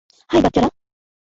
High, বাচ্চারা।